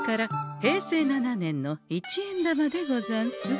平成７年の一円玉でござんす。